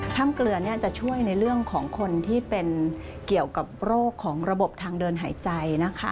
ถ้ำเกลือจะช่วยในเรื่องของคนที่เป็นเกี่ยวกับโรคของระบบทางเดินหายใจนะคะ